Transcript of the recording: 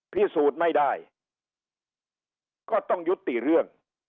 พิสูจน์ไม่ได้ก็ต้องยุติเรื่อง